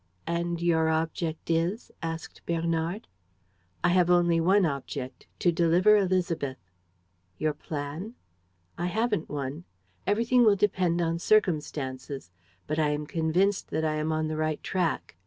"And your object is ...?" asked Bernard. "I have only one object: to deliver Élisabeth." "Your plan?" "I haven't one. Everything will depend on circumstances; but I am convinced that I am on the right track."